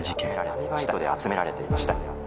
「闇バイトで集められていました」。